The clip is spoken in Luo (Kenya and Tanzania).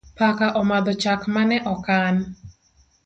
Paka omadho chak mane okan